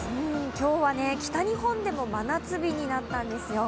今日は北日本でも真夏日になったんですよ。